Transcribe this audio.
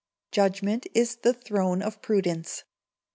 [JUDGEMENT IS THE THRONE OF PRUDENCE.